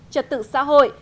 trật tự xã hội